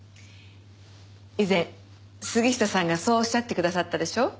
以前杉下さんがそうおっしゃってくださったでしょう？